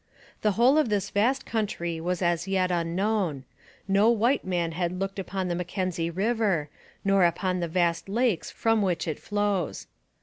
The whole of this vast country was as yet unknown: no white man had looked upon the Mackenzie river nor upon the vast lakes from which it flows.